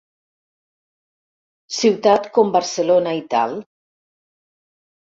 Ciutat com Barcelona i tal.